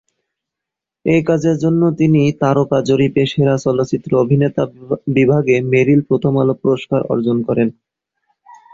এই কাজের জন্য তিনি তারকা জরিপে সেরা চলচ্চিত্র অভিনেতা বিভাগে মেরিল-প্রথম আলো পুরস্কার অর্জন করেন।